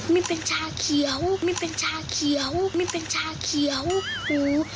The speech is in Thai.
มันเป็นชาเขียวมันเป็นชาเขียวมันเป็นชาเขียวหู